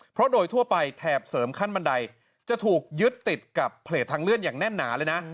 เพราะโดยทั่วไปแถบเสริมขั้นบันไดจะถูกยึดติดกับเพจทางเลื่อนอย่างแน่นหนาเลยนะ